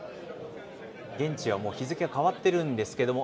現地はもう、日付は変わっているんですけれども。